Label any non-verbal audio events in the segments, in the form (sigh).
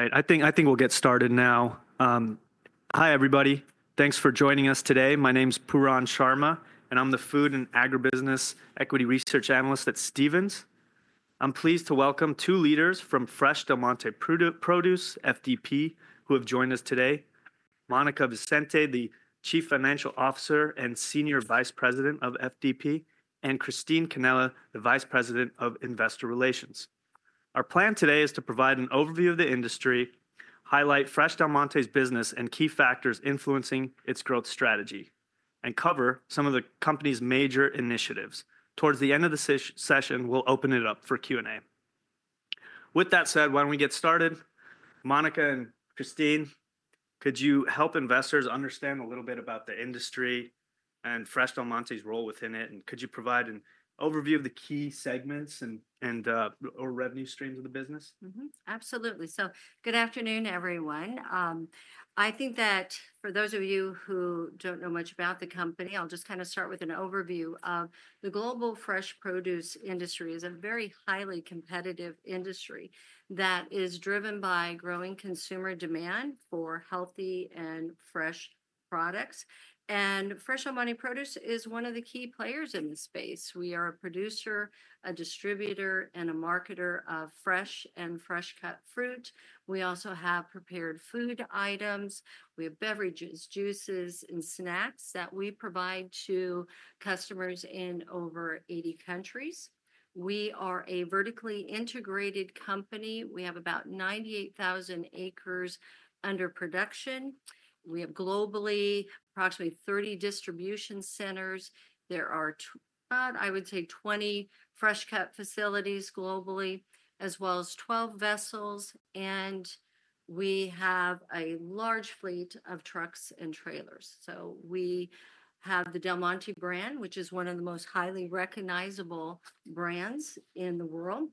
All right, I think we'll get started now. Hi, everybody. Thanks for joining us today. My name's Pooran Sharma, and I'm the Food and Agribusiness Equity Research Analyst at Stephens. I'm pleased to welcome two leaders from Fresh Del Monte Produce, FDP, who have joined us today: Monica Vicente, the Chief Financial Officer and Senior Vice President of FDP, and Christine Cannella, the Vice President of Investor Relations. Our plan today is to provide an overview of the industry, highlight Fresh Del Monte's business and key factors influencing its growth strategy, and cover some of the company's major initiatives. Towards the end of the session, we'll open it up for Q&A. With that said, why don't we get started? Monica and Christine, could you help investors understand a little bit about the industry and Fresh Del Monte's role within it? Could you provide an overview of the key segments and revenue streams of the business? Absolutely. So good afternoon, everyone. I think that for those of you who don't know much about the company, I'll just kind of start with an overview of the global fresh produce industry. It's a very highly competitive industry that is driven by growing consumer demand for healthy and fresh products. And Fresh Del Monte Produce is one of the key players in the space. We are a producer, a distributor, and a marketer of fresh and fresh-cut fruit. We also have prepared food items. We have beverages, juices, and snacks that we provide to customers in over 80 countries. We are a vertically integrated company. We have about 98,000 acres under production. We have globally approximately 30 distribution centers. There are, I would say, 20 fresh-cut facilities globally, as well as 12 vessels, and we have a large fleet of trucks and trailers. So we have the Del Monte brand, which is one of the most highly recognizable brands in the world.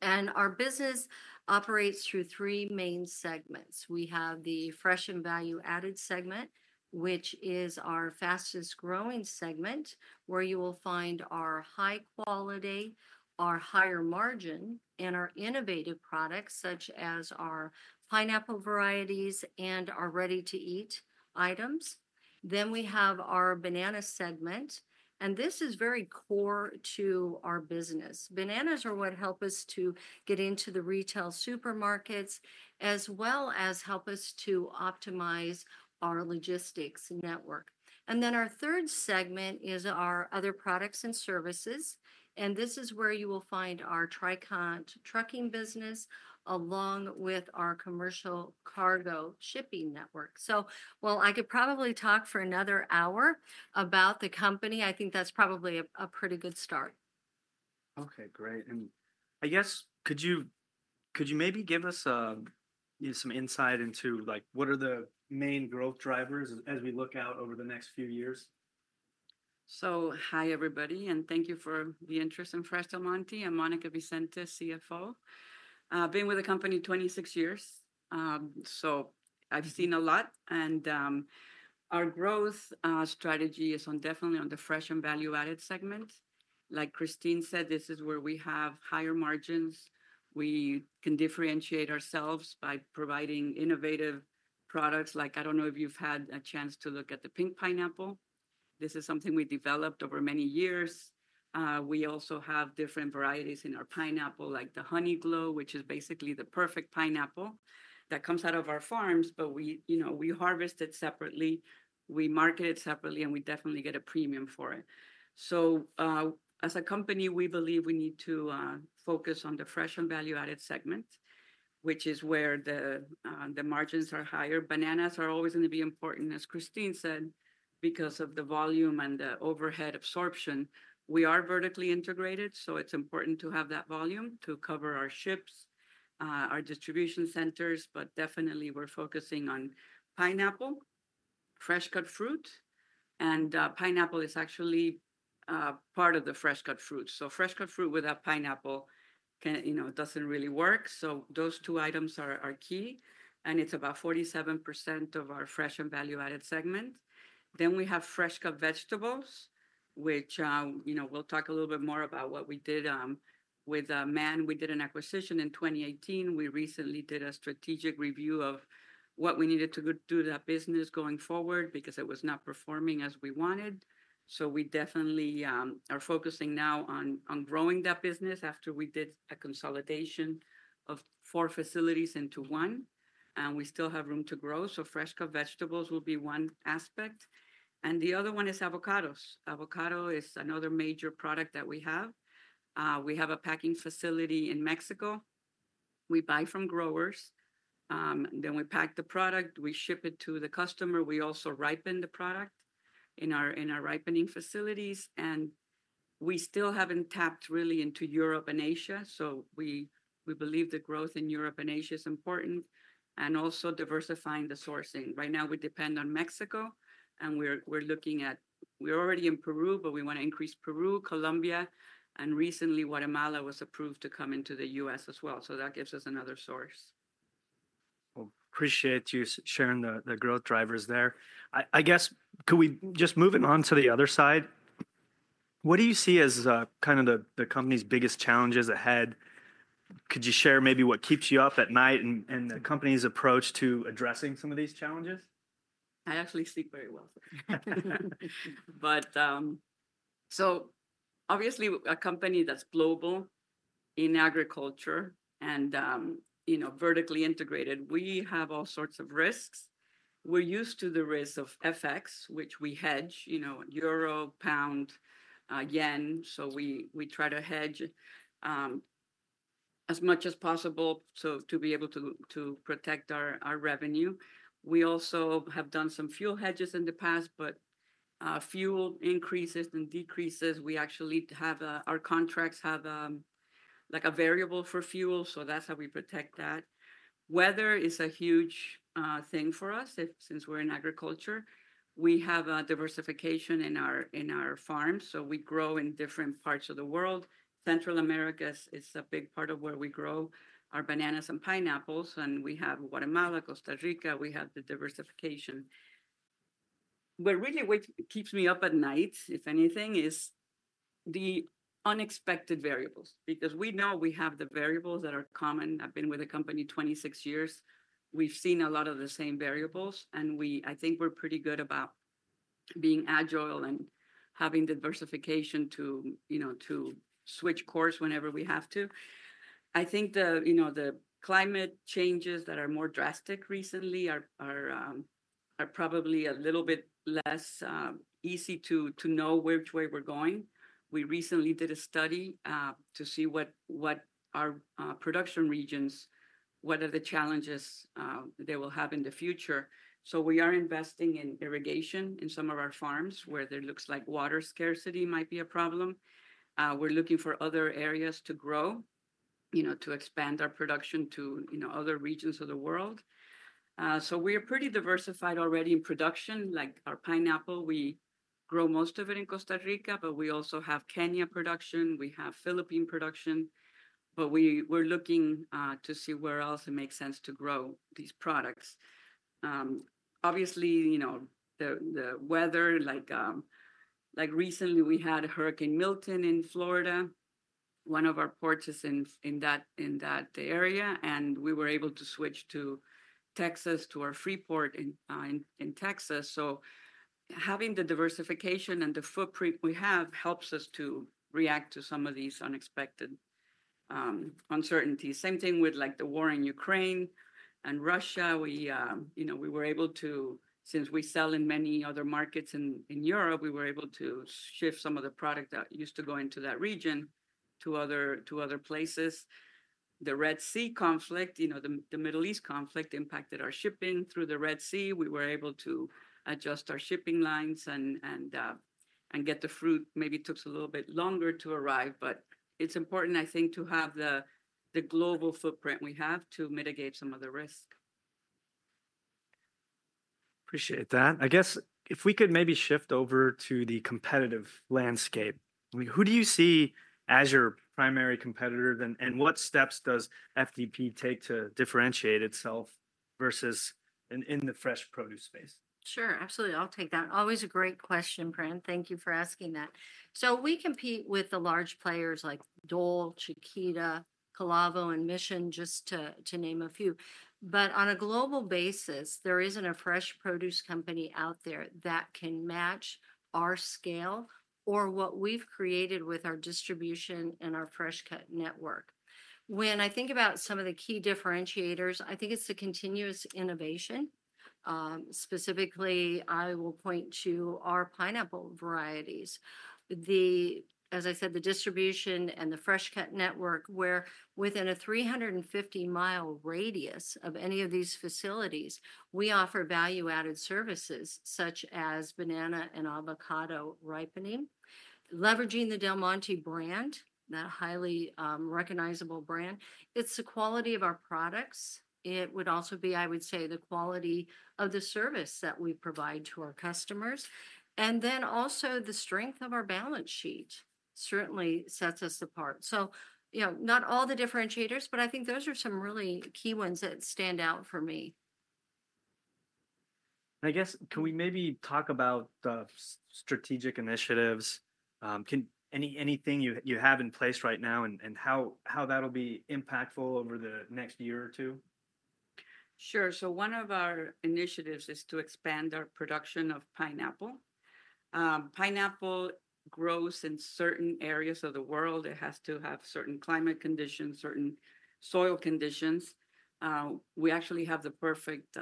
And our business operates through three main segments. We have the fresh and value-added segment, which is our fastest growing segment, where you will find our high quality, our higher margin, and our innovative products, such as our pineapple varieties and our ready-to-eat items. Then we have our banana segment. And this is very core to our business, bananas are what help us to get into the retail supermarkets, as well as help us to optimize our logistics network. And then our third segment is our other products and services, and this is where you will find our Tricont trucking business, along with our commercial cargo shipping network. So while I could probably talk for another hour about the company, I think that's probably a pretty good start. Okay, great. And I guess, could you maybe give us some insight into what are the main growth drivers as we look out over the next few years? So hi, everybody, and thank you for the interest in Fresh Del Monte. I'm Monica Vicente, CFO. I've been with the company 26 years. So I've seen a lot. And our growth strategy is definitely on the fresh and value-added segment. Like Christine said, this is where we have higher margins. We can differentiate ourselves by providing innovative products, like I don't know if you've had a chance to look at the pink pineapple. This is something we developed over many years. We also have different varieties in our pineapple, like the Honeyglow, which is basically the perfect pineapple that comes out of our farms. But we harvest it separately. We market it separately, and we definitely get a premium for it. So as a company, we believe we need to focus on the fresh and value-added segment, which is where the margins are higher. Bananas are always going to be important, as Christine said, because of the volume and the overhead absorption. We are vertically integrated, so it's important to have that volume to cover our ships, our distribution centers, but definitely, we're focusing on pineapple, fresh-cut fruit, and pineapple is actually part of the fresh-cut fruits. So fresh-cut fruit without pineapple doesn't really work, so those two items are key, and it's about 47% of our fresh and value-added segment, then we have fresh-cut vegetables, which we'll talk a little bit more about what we did with Mann. We did an acquisition in 2018. We recently did a strategic review of what we needed to do that business going forward because it was not performing as we wanted. So we definitely are focusing now on growing that business after we did a consolidation of four facilities into one. We still have room to grow fresh-cut vegetables will be one aspect. The other one is avocados. Avocado is another major product that we have. We have a packing facility in Mexico. We buy from growers. We pack the product. We ship it to the customer. We also ripen the product in our ripening facilities. We still haven't tapped really into Europe and Asia. We believe the growth in Europe and Asia is important. Also, diversifying the sourcing. Right now, we depend on Mexico. We're looking at. We're already in Peru, but we want to increase Peru, Colombia, and recently, Guatemala was approved to come into the U.S. as well. That gives us another source. Appreciate you sharing the growth drivers there. I guess, could we just move it on to the other side? What do you see as kind of the company's biggest challenges ahead? Could you share maybe what keeps you up at night and the company's approach to addressing some of these challenges? I actually sleep very well, but so obviously, a company that's global in agriculture and vertically integrated, we have all sorts of risks. We're used to the risk of FX, which we hedge, euro, pound, yen, so we try to hedge as much as possible to be able to protect our revenue. We also have done some fuel hedges in the past, but fuel increases and decreases, we actually have our contracts have a variable for fuel, so that's how we protect that. Weather is a huge thing for us since we're in agriculture. We have diversification in our farms, so we grow in different parts of the world. Central America is a big part of where we grow our bananas and pineapples, and we have Guatemala, Costa Rica. We have the diversification, but really, what keeps me up at night, if anything, is the unexpected variables. Because we know we have the variables that are common. I've been with the company 26 years. We've seen a lot of the same variables and I think we're pretty good about being agile and having the diversification to switch course whenever we have to. I think the climate changes that are more drastic recently are probably a little bit less easy to know which way we're going. We recently did a study to see what our production regions, what are the challenges they will have in the future. So we are investing in irrigation in some of our farms where there looks like water scarcity might be a problem. We're looking for other areas to grow, to expand our production to other regions of the world. So we are pretty diversified already in production. Like our pineapple, we grow most of it in Costa Rica. But we also have Kenya production. We have Philippines production. But we're looking to see where else it makes sense to grow these products. Obviously, the weather, like recently, we had Hurricane Milton in Florida, one of our ports is in that area. And we were able to switch to Texas, to our Freeport in Texas. So having the diversification and the footprint we have helps us to react to some of these unexpected uncertainties. Same thing with the war in Ukraine and Russia. We were able to, since we sell in many other markets in Europe, we were able to shift some of the product that used to go into that region to other places. The Red Sea conflict, the Middle East conflict impacted our shipping through the Red Sea. We were able to adjust our shipping lines and get the fruit. Maybe it took a little bit longer to arrive. But it's important, I think, to have the global footprint we have to mitigate some of the risk. Appreciate that. I guess, if we could maybe shift over to the competitive landscape, who do you see as your primary competitor, and what steps does FDP take to differentiate itself versus in the fresh produce space? Sure. Absolutely. I'll take that. Always a great question, Pooran. Thank you for asking that. So we compete with the large players like Dole, Chiquita, Calavo, and Mission, just to name a few. But on a global basis, there isn't a fresh produce company out there that can match our scale or what we've created with our distribution and our fresh-cut network. When I think about some of the key differentiators, I think it's the continuous innovation. Specifically, I will point to our pineapple varieties. As I said, the distribution and the fresh-cut network, where within a 350-mile radius of any of these facilities, we offer value-added services such as banana and avocado ripening, leveraging the Del Monte brand, that highly recognizable brand. It's the quality of our products. It would also be, I would say, the quality of the service that we provide to our customers. And then also the strength of our balance sheet certainly sets us apart. So not all the differentiators, but I think those are some really key ones that stand out for me. I guess, can we maybe talk about the strategic initiatives? Anything you have in place right now and how that'll be impactful over the next year or two? Sure. So one of our initiatives is to expand our production of pineapple. Pineapple grows in certain areas of the world. It has to have certain climate conditions, certain soil conditions. We actually have the perfect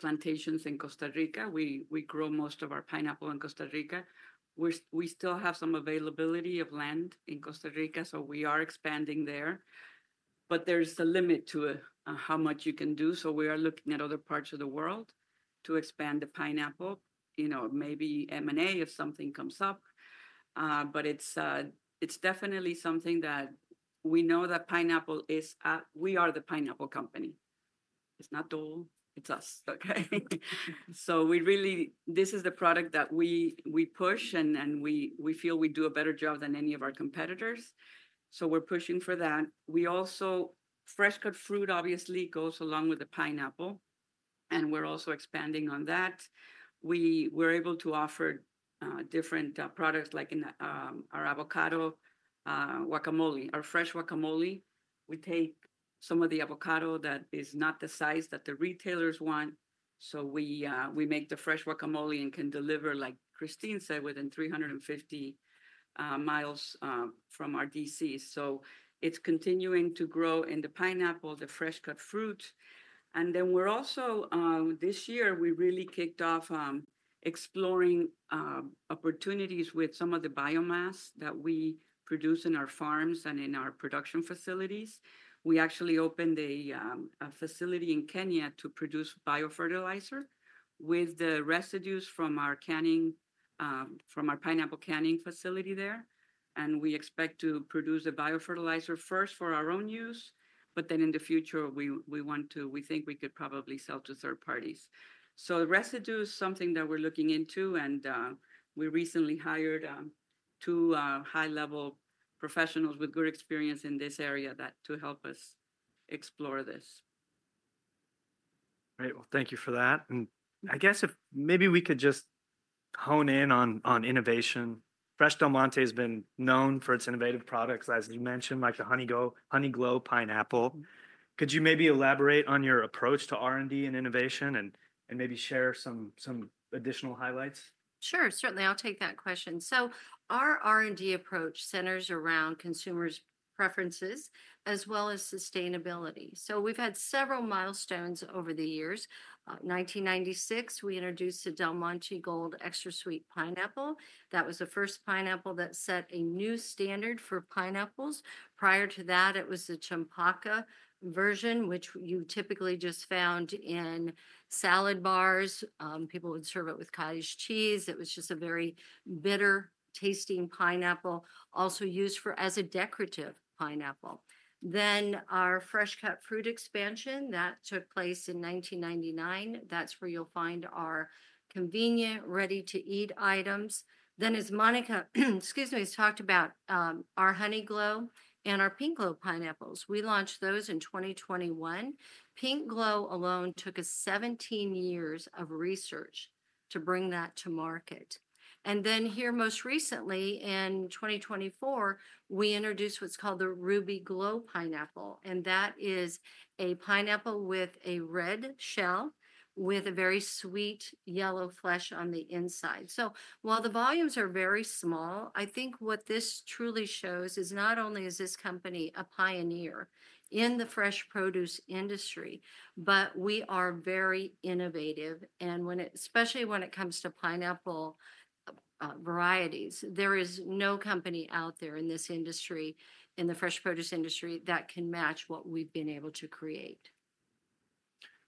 plantations in Costa Rica. We grow most of our pineapple in Costa Rica. We still have some availability of land in Costa Rica. So we are expanding there. But there's a limit to how much you can do. So we are looking at other parts of the world to expand the pineapple, maybe M&A if something comes up. But it's definitely something that we know that pineapple is we are the pineapple company. It's not Dole. It's us. Okay? So this is the product that we push. And we feel we do a better job than any of our competitors. So we're pushing for that. We also [do] fresh-cut fruit, obviously, [which] goes along with the pineapple, and we're also expanding on that. We're able to offer different products like our avocado guacamole, our fresh guacamole. We take some of the avocado that is not the size that the retailers want, so we make the fresh guacamole and can deliver, like Christine said, within 350 miles from our DC, so it's continuing to grow in the pineapple, the fresh-cut fruit, and then we're also, this year, we really kicked off exploring opportunities with some of the biomass that we produce in our farms and in our production facilities. We actually opened a facility in Kenya to produce biofertilizer with the residues from our pineapple canning facility there, and we expect to produce a biofertilizer first for our own use, but then in the future, we think we could probably sell to third parties. Residue is something that we're looking into. We recently hired two high-level professionals with good experience in this area to help us explore this. All right. Well, thank you for that, and I guess if maybe we could just hone in on innovation. Fresh Del Monte has been known for its innovative products, as you mentioned, like the Honeyglow pineapple. Could you maybe elaborate on your approach to R&D and innovation and maybe share some additional highlights? Sure. Certainly. I'll take that question. Our R&D approach centers around consumers' preferences as well as sustainability. We've had several milestones over the years. In 1996, we introduced the Del Monte Gold Extra Sweet Pineapple. That was the first pineapple that set a new standard for pineapples. Prior to that, it was the Champaca version, which you typically just found in salad bars. People would serve it with cottage cheese. It was just a very bitter-tasting pineapple, also used as a decorative pineapple. Our fresh-cut fruit expansion took place in 1999. That's where you'll find our convenient, ready-to-eat items. As Monica has talked about, our Honeyglow and our Pinkglow pineapples. We launched those in 2021. Pinkglow alone took 17 years of research to bring that to market. And then here most recently, in 2024, we introduced what's called the Rubyglow pineapple. And that is a pineapple with a red shell with a very sweet yellow flesh on the inside. So while the volumes are very small, I think what this truly shows is not only is this company a pioneer in the fresh produce industry, but we are very innovative. And especially when it comes to pineapple varieties, there is no company out there in this industry, in the fresh produce industry, that can match what we've been able to create.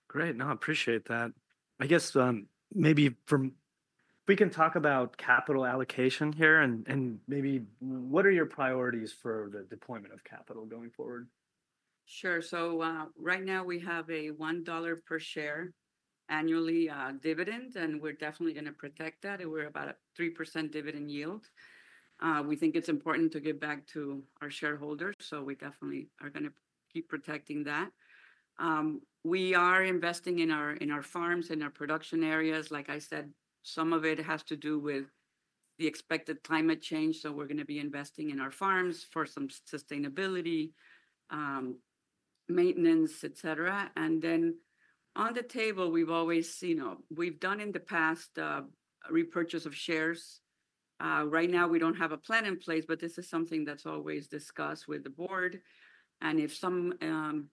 Great. No, I appreciate that. I guess maybe from here we can talk about capital allocation here. And maybe what are your priorities for the deployment of capital going forward? Sure. So right now, we have a $1 per share annual dividend. And we're definitely going to protect that. And we're about a 3% dividend yield. We think it's important to give back to our shareholders. So we definitely are going to keep protecting that. We are investing in our farms and our production areas. Like I said, some of it has to do with the expected climate change. So we're going to be investing in our farms for some sustainability, maintenance, et cetera. And then on the table, we've always done in the past repurchase of shares. Right now, we don't have a plan in place but this is something that's always discussed with the board. And if some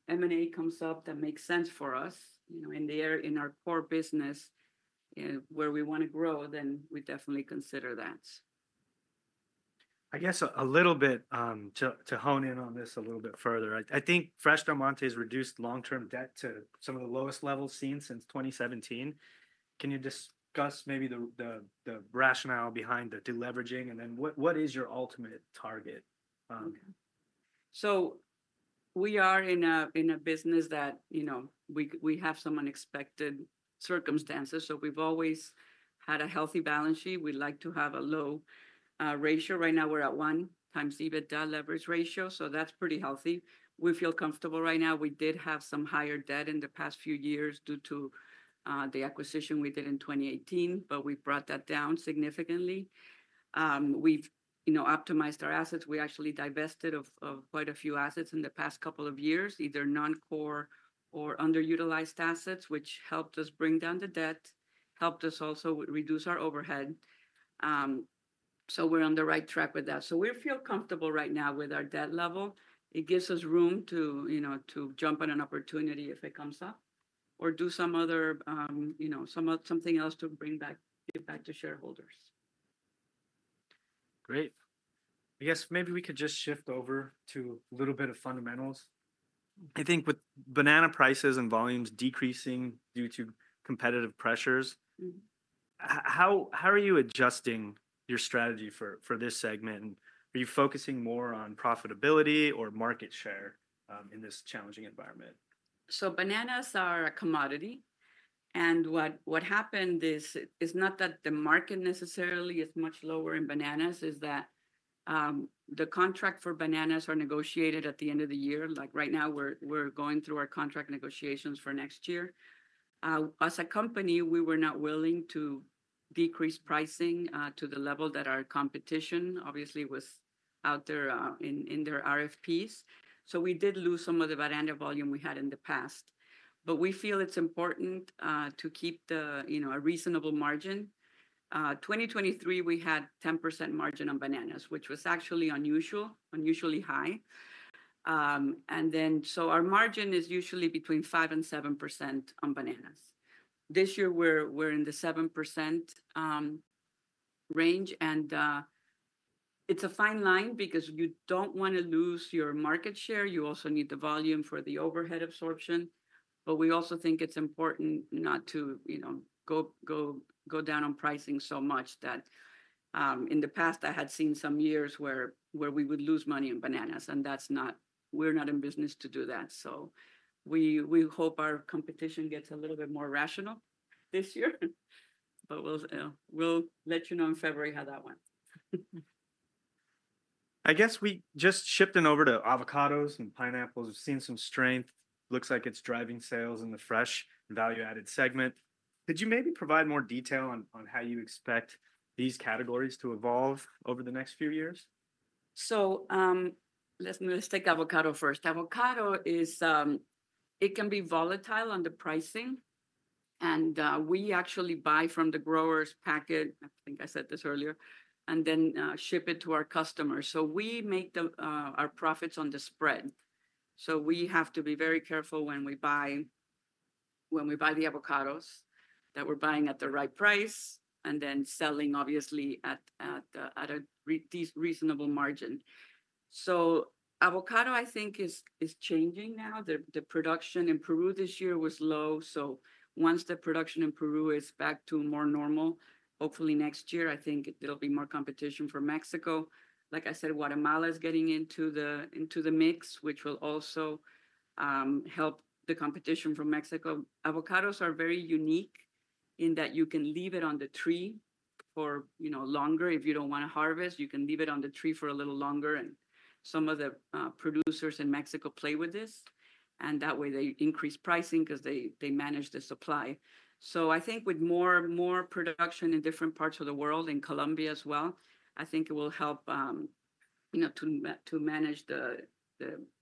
M&A comes up that makes sense for us in our core business, where we want to grow, then we definitely consider that. I guess a little bit to hone in on this a little bit further. I think Fresh Del Monte has reduced long-term debt to some of the lowest levels seen since 2017. Can you discuss maybe the rationale behind the deleveraging? And then what is your ultimate target? So, we are in a business that we have some unexpected circumstances. We've always had a healthy balance sheet. We'd like to have a low ratio. Right now, we're at one times EBITDA leverage ratio. So that's pretty healthy. We feel comfortable right now. We did have some higher debt in the past few years due to the acquisition we did in 2018. But we've brought that down significantly. We've optimized our assets. We actually divested of quite a few assets in the past couple of years, either non-core or underutilized assets, which helped us bring down the debt, helped us also reduce our overhead. So we're on the right track with that. So we feel comfortable right now with our debt level. It gives us room to jump on an opportunity if it comes up or do something else to bring back to shareholders. Great. I guess maybe we could just shift over to a little bit of fundamentals. I think with banana prices and volumes decreasing due to competitive pressures, how are you adjusting your strategy for this segment? And are you focusing more on profitability or market share in this challenging environment? So bananas are a commodity. And what happened is not that the market necessarily is much lower in bananas. It's that the contract for bananas are negotiated at the end of the year. Like right now, we're going through our contract negotiations for next year. As a company, we were not willing to decrease pricing to the level that our competition, obviously, was out there in their RFPs. So we did lose some of the banana volume we had in the past. But we feel it's important to keep a reasonable margin. 2023, we had 10% margin on bananas, which was actually unusual, unusually high. And then so our margin is usually between 5% and 7% on bananas. This year, we're in the 7% range. And it's a fine line because you don't want to lose your market share. You also need the volume for the overhead absorption. But we also think it's important not to go down on pricing so much that in the past, I had seen some years where we would lose money on bananas. And we're not in business to do that. So we hope our competition gets a little bit more rational this year. But we'll let you know in February how that went. I guess we just shifting over to avocados and pineapples. We've seen some strength. Looks like it's driving sales in the fresh value-added segment. Could you maybe provide more detail on how you expect these categories to evolve over the next few years? So let's take avocado first. Avocado, it can be volatile on the pricing, and we actually buy from the growers and pack it. I think I said this earlier, and then ship it to our customers. So we make our profits on the spread. So we have to be very careful when we buy the avocados that we're buying at the right price and then selling, obviously, at a reasonable margin. So avocado, I think, is changing now. The production in Peru this year was low. So once the production in Peru is back to more normal, hopefully next year, I think there'll be more competition from Mexico. Like I said, Guatemala is getting into the mix, which will also help the competition from Mexico. Avocados are very unique in that you can leave it on the tree for longer. If you don't want to harvest, you can leave it on the tree for a little longer, and some of the producers in Mexico play with this, and that way, they increase pricing because they manage the supply, so I think with more production in different parts of the world, in Colombia as well, I think it will help to manage the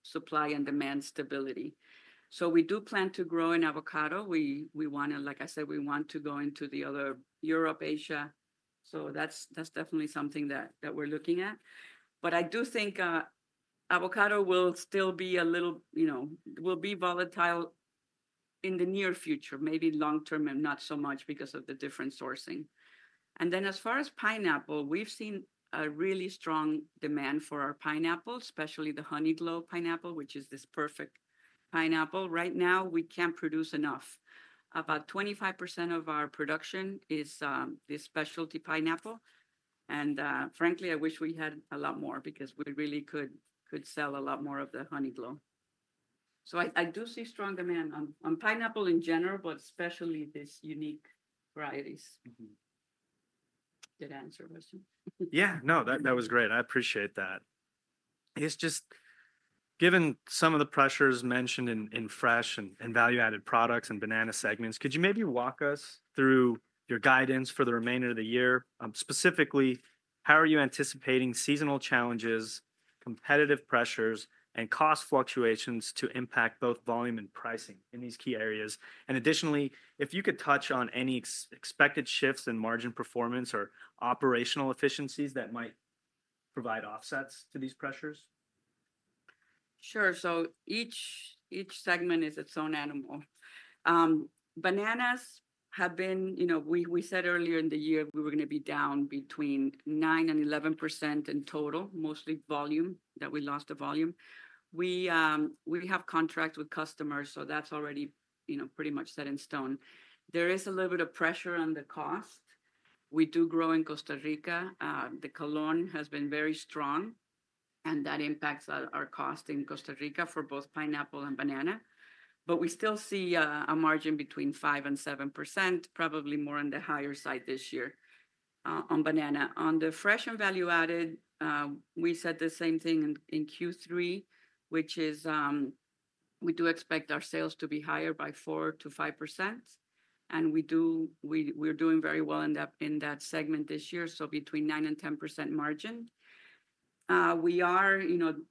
supply and demand stability, so we do plan to grow in avocado. Like I said, we want to go into the other Europe, Asia, so that's definitely something that we're looking at, but I do think avocado will still be a little volatile in the near future, maybe long-term and not so much because of the different sourcing, and then as far as pineapple, we've seen a really strong demand for our pineapple, especially the Honeyglow pineapple, which is this perfect pineapple. Right now, we can't produce enough. About 25% of our production is this specialty pineapple. And frankly, I wish we had a lot more because we really could sell a lot more of the Honeyglow. So I do see strong demand on pineapple in general, but especially these unique varieties. Did I answer your question? Yeah. No, that was great. I appreciate that. Just given some of the pressures mentioned in fresh and value-added products and banana segments, could you maybe walk us through your guidance for the remainder of the year? Specifically, how are you anticipating seasonal challenges, competitive pressures, and cost fluctuations to impact both volume and pricing in these key areas? And additionally, if you could touch on any expected shifts in margin performance or operational efficiencies that might provide offsets to these pressures. Sure. So each segment is its own animal. Bananas have been we said earlier in the year we were going to be down between 9% and 11% in total, mostly volume, that we lost the volume. We have contracts with customers. So that's already pretty much set in stone. There is a little bit of pressure on the cost. We do grow in Costa Rica. The colón has been very strong. And that impacts our cost in Costa Rica for both pineapple and banana. But we still see a margin between 5% and 7%, probably more on the higher side this year on banana. On the fresh and value-added, we said the same thing in Q3, which is we do expect our sales to be higher by 4% to 5%. And we're doing very well in that segment this year, so between 9% and 10% margin. We are,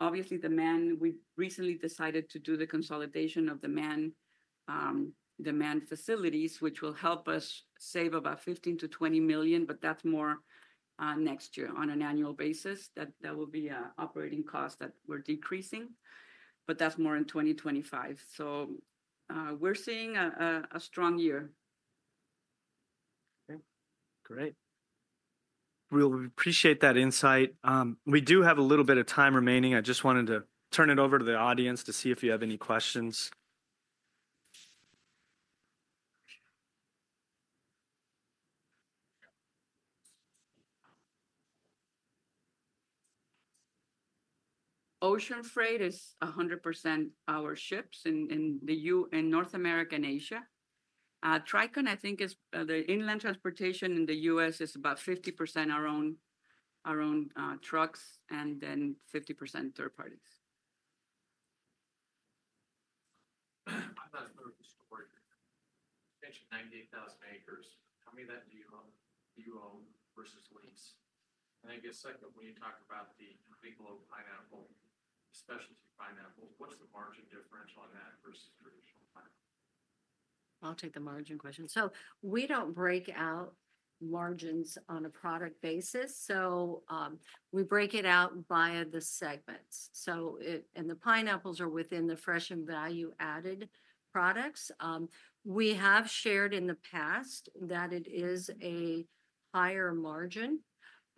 obviously, demand. We recently decided to do the consolidation of demand facilities, which will help us save about $15 million-$20 million. But that's more next year on an annual basis. That will be an operating cost that we're decreasing. But that's more in 2025. So we're seeing a strong year. Great. We appreciate that insight. We do have a little bit of time remaining. I just wanted to turn it over to the audience to see if you have any questions. Ocean Freight is 100% our ships in North America and Asia. Tricont, I think, is the inland transportation in the U.S. about 50% our own trucks and then 50% third parties. (audio distortion) You mentioned 98,000 acres. How many of that do you own versus lease? And I guess second, when you talk about the Honeyglow pineapple, the specialty pineapple, what's the margin differential on that versus traditional pineapple? I'll take the margin question. So we don't break out margins on a product basis. So we break it out via the segments. And the pineapples are within the fresh and value-added products. We have shared in the past that it is a higher margin.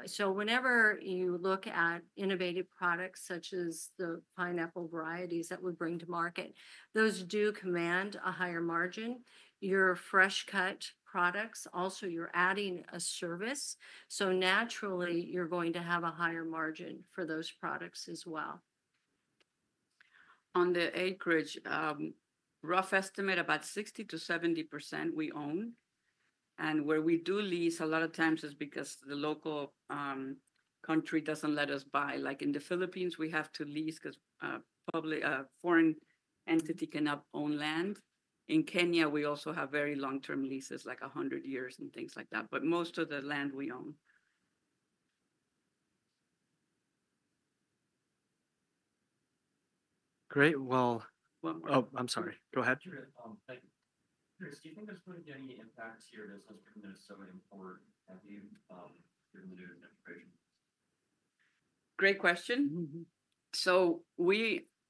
So whenever you look at innovative products such as the pineapple varieties that we bring to market, those do command a higher margin. Our fresh-cut products. Also, you're adding a service. So naturally, you're going to have a higher margin for those products as well. On the acreage, rough estimate about 60%-70% we own. And where we do lease a lot of times is because the local country doesn't let us buy. Like in the Philippines, we have to lease because a foreign entity cannot own land. In Kenya, we also have very long-term leases, like 100 years and things like that. But most of the land we own. Great. Well. One more. Oh, I'm sorry. Go ahead. Do you think there's going to be any impact to your business given that it's so important to have you given the new administration? Great question. So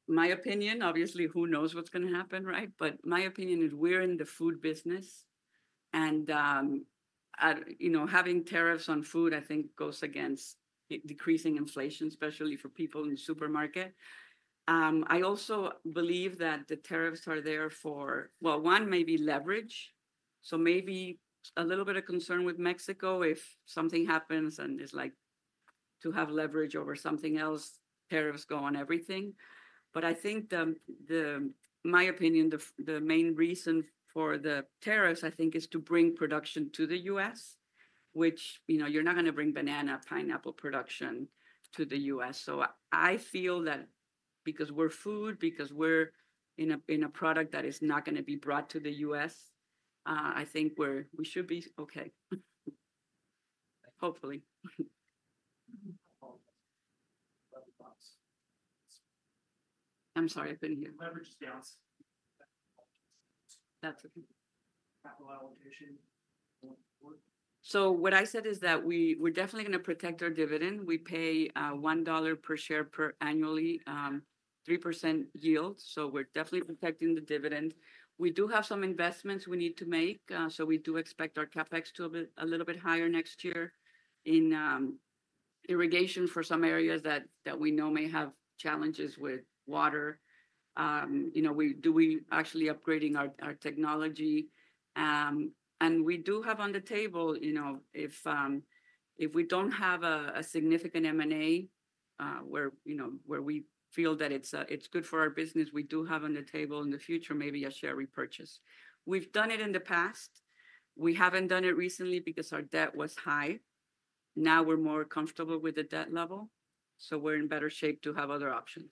my opinion, obviously, who knows what's going to happen, right? But my opinion is we're in the food business. And having tariffs on food, I think, goes against decreasing inflation, especially for people in the supermarket. I also believe that the tariffs are there for, well, one, maybe leverage. So maybe a little bit of concern with Mexico if something happens and it's like to have leverage over something else, tariffs go on everything. But I think, in my opinion, the main reason for the tariffs, I think, is to bring production to the U.S., which you're not going to bring banana, pineapple production to the U.S.. So I feel that because we're food, because we're in a product that is not going to be brought to the US, I think we should be OK, hopefully. I'm sorry. I couldn't hear. Leverage is down. That's OK, so what I said is that we're definitely going to protect our dividend. We pay $1 per share annually, 3% yield. So we're definitely protecting the dividend. We do have some investments we need to make. So we do expect our CapEx to be a little bit higher next year in irrigation for some areas that we know may have challenges with water. And we're actually upgrading our technology. And we do have on the table, if we don't have a significant M&A where we feel that it's good for our business, we do have on the table in the future maybe a share repurchase. We've done it in the past. We haven't done it recently because our debt was high. Now we're more comfortable with the debt level. So we're in better shape to have other options.